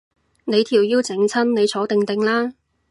你條腰整親，你坐定定啦